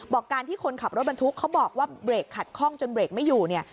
การที่คนขับรถบรรทุกเขาบอกว่าเบรกขัดข้องจนเบรกไม่อยู่เนี่ย